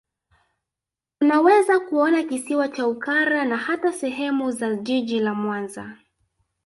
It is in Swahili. Unaweza kuona Kisiwa cha Ukara na hata sehemu ya Jiji la Mwanza